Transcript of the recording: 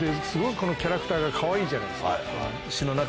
すごくこのキャラクターがかわいいじゃないですか。